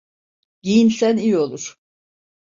Giyinsen iyi olur.